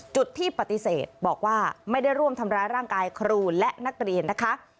จุดที่ปฏิเสธบอกว่าไม่ได้ร่วมทำร้ายร่างกายครูและนักเรียนนะคะ